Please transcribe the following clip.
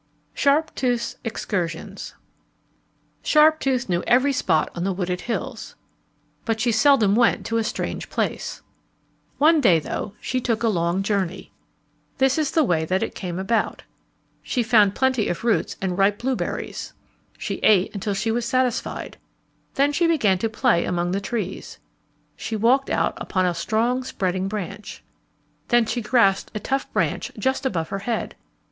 Sharptooth's Excursions Sharptooth knew every spot on the wooded hills. But she seldom went to a strange place. [Illustration: "She walked out upon a strong spreading branch"] One day, though, she took a long journey. This is the way that it came about. She found plenty of roots and ripe blue berries. She ate until she was satisfied. Then she began to play among the trees. She walked out upon a strong spreading branch. Then she grasped a tough branch just over her head.